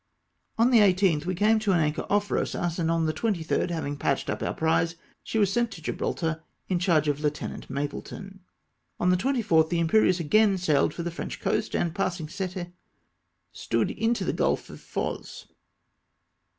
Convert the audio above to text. On the 18th we came to an anclior off Eosas, and on the 23rd, having patched up our prize, she was sent to Gibraltar in charge of Lieutenant Mapleton. On the 24th the Imperieuse again sailed for the French coast, and passing Cette, stood into the Gulf of Foz.